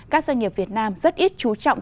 các doanh nghiệp việt nam rất ít chú trọng